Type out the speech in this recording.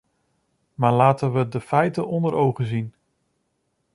Maar laten we de feiten onder ogen zien.